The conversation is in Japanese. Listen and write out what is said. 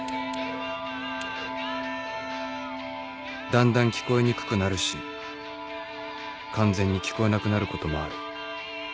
だんだん聞こえにくくなるし完全に聞こえなくなることもある